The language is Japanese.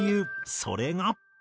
それが。